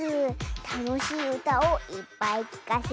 たのしいうたをいっぱいきかせちゃうズー。